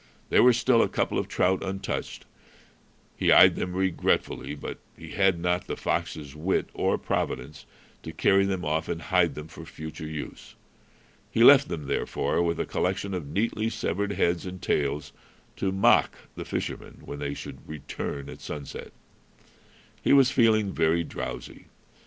There were still a couple of trout untouched. He eyed them regretfully, but he had not the fox's wit or providence to carry them off and hide them for future use. He left them, therefore, with a collection of neatly severed heads and tails, to mock the fishermen when they should return at sunset. He was feeling very drowsy.